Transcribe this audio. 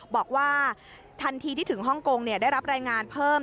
บอกว่าทันทีที่ถึงฮ่องกงได้รับรายงานเพิ่ม